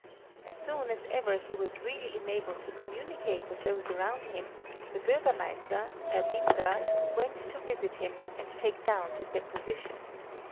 As soon as ever he was really enabled to communicate with those around him, the Burgermeister, Herr Binder, went to visit him, and take down his deposition.